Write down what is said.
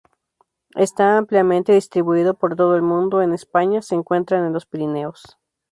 Está ampliamente distribuido por todo el mundo, en España se encuentra en los Pirineos.